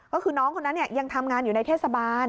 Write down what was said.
ก็คือน้องคนนั้นยังทำงานอยู่ในเทศบาล